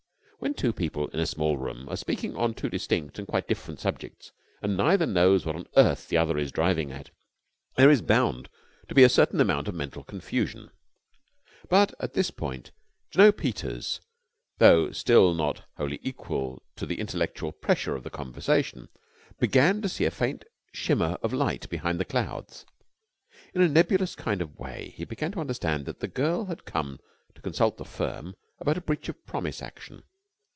When two people in a small room are speaking on two distinct and different subjects and neither knows what on earth the other is driving at, there is bound to be a certain amount of mental confusion: but at this point Jno. Peters, though still not wholly equal to the intellectual pressure of the conversation, began to see a faint shimmer of light behind the clouds. In a nebulous kind of way he began to understand that the girl had come to consult the firm about a breach of promise action.